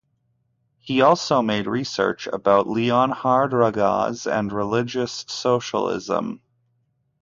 He also made research about Leonhard Ragaz and religious socialism.